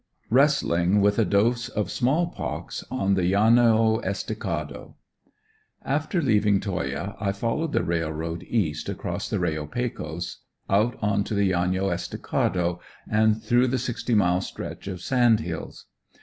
WRESTLING WITH A DOSE OF SMALL POX ON THE LLANO ESTICADO. After leaving Toyah I followed the railroad east cross the Reo Pecos, out onto the Llano Esticado and through the sixty mile stretch of Sand Hills.